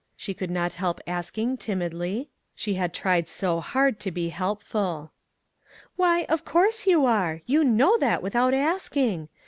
she could not help asking timidly. She had tried so hard to be helpful. 291 MAG AND MARGARET " Why, of course you are ; you know that without asking.